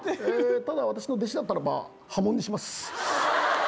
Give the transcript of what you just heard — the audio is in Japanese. ただ私の弟子だったらば破門にします。